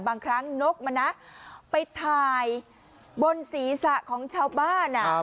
บางครั้งนกมันนะไปถ่ายบนศีรษะของชาวบ้าน